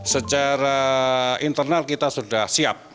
secara internal kita sudah siap